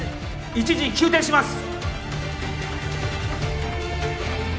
一時休廷します！